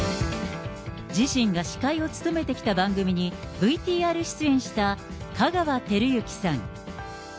自身が司会を務めてきた番組に、ＶＴＲ出演した香川照之さん。